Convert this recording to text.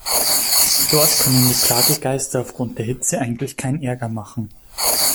Dort können die Plagegeister aufgrund der Hitze eigentlich keinen Ärger machen.